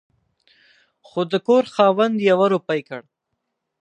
خو د کور خاوند يوه روپۍ کړ